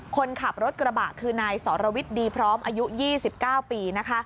คนขับรถกระบะคือนายสรวิทย์ดีพร้อมอายุ๒๙ปีนะคะ